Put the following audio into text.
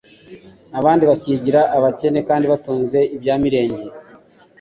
abandi bakigira abakene, kandi batunze ibya mirenge